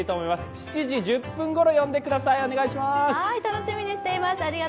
７時１０分ごろ呼んでください、お願いします。